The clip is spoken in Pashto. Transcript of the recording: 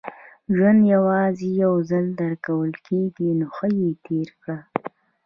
• ژوند یوازې یو ځل درکول کېږي، نو ښه یې تېر کړه.